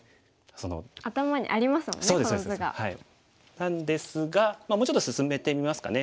なんですがもうちょっと進めてみますかね。